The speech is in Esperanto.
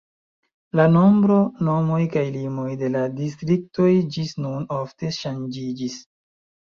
La nombro, nomoj kaj limoj de la distriktoj ĝis nun ofte ŝanĝiĝis.